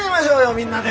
みんなで。